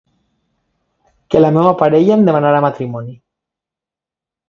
Que la meua parella em demanara matrimoni.